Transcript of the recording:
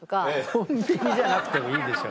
コンビニじゃなくてもいいでしょ。